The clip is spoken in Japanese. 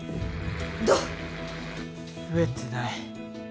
どう？増えてない。